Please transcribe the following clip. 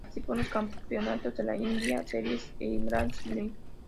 Participó en los campeonatos de la IndyCar Series e Indy Lights.